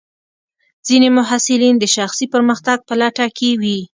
ځینې محصلین د شخصي پرمختګ په لټه کې وي.